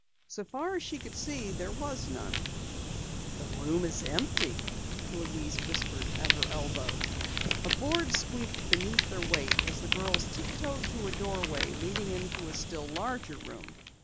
So far as she could see there was none. "The room is empty!" Louise whispered at her elbow. A board squeaked beneath their weight as the girls tiptoed to a doorway opening into a still larger room.